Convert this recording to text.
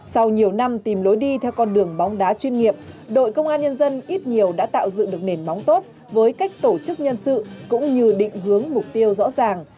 sau nhiều năm tìm lối đi theo con đường bóng đá chuyên nghiệp đội công an nhân dân ít nhiều đã tạo dựng được nền móng tốt với cách tổ chức nhân sự cũng như định hướng mục tiêu rõ ràng